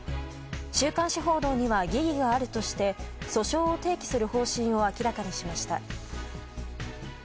週刊誌報道には疑義があるとして訴訟を提起する方針を明らかにしました。